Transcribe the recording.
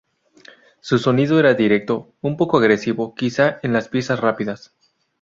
Su sonido era directo, un poco agresivo quizá en las piezas rápidas.